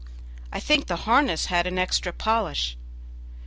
I think the harness had an extra polish.